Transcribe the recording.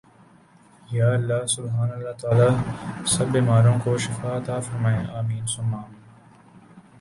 یا اللّٰہ سبحان اللّٰہ تعالی سب بیماروں کو شفاء عطاء فرمائے آمین ثم آمین